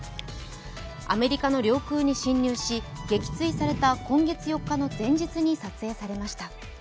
アメリカの領空に侵入し撃墜された今月４日に撮影されました。